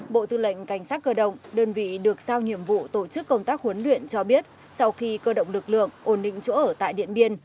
bộ tư lệnh cảnh sát cơ động đơn vị được sao nhiệm vụ tổ chức công tác huấn luyện cho biết sau khi cơ động lực lượng ổn định chỗ ở tại điện biên